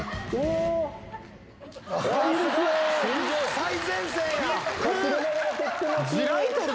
最前線や！